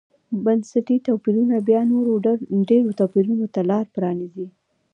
بنسټي توپیرونه بیا نورو ډېرو توپیرونو ته لار پرانېزي.